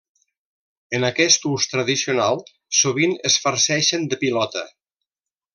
En aquest ús tradicional, sovint es farceixen de pilota.